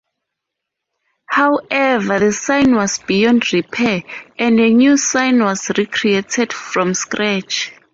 However, the sign was beyond repair and a new sign was recreated from scratch.